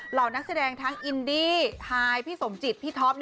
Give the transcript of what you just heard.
เหล่านักแสดงทั้งอินดีไฮพี่สมจิตพี่ท็อป